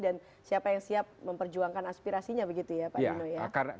siapa yang siap memperjuangkan aspirasinya begitu ya pak dino ya